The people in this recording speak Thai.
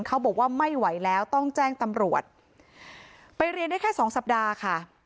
เขาบอกว่าไม่ไหวแล้วต้องแจ้งตำรวจไปเรียนได้แค่สองสัปดาห์ค่ะ